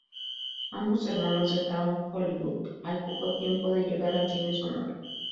Ambos hermanos dejaron Hollywood al poco tiempo de llegar el cine sonoro.